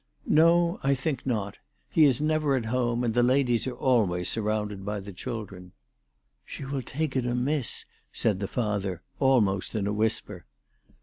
" No ; I think not. He is never at home, and the ladies are always surrounded by the children." "She will take it amiss," said the father almost in a whisper.